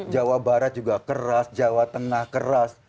jawa barat juga keras jawa tengah keras